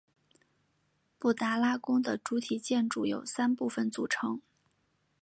布达拉宫的主体建筑由三部分组成。